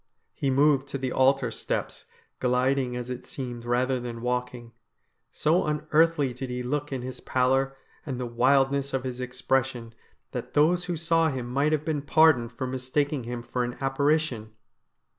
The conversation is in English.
He moved to the altar steps, gliding as it seemed rather than walking. So unearthly did he look in his pallor and the wildness of his expression that those who 104 STORIES WEIRD AND WONDERFUL saw him might have been pardoned for mistaking him for an apparition.